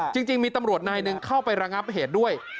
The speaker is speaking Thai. จริงมีตำรวจนายหนึ่งเข้าไประงับเหตุด้วย